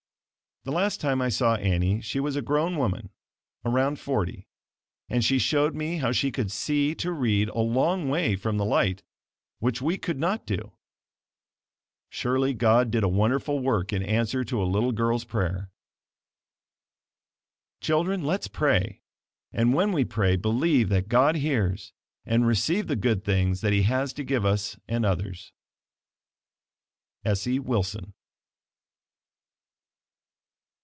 The last time I saw Annie she was a grown woman around forty, and she showed me how she could see to read a long way from the light, which we could not do. Surely God did a wonderful work in answer to a little girl's prayer. Children, let's pray; and when we pray, believe that God hears, and receive the good things that he has to give us and others. Essie Wilson.